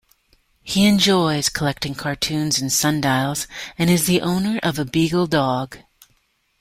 He enjoys collecting cartoons and sundials, and is the owner of a Beagle dog.